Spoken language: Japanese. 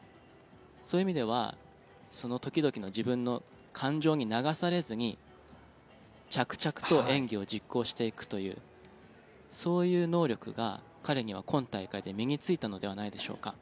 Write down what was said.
そういう意味ではその時々の自分の感情に流されずに着々と演技を実行していくというそういう能力が彼には今大会で身についたのではないでしょうか。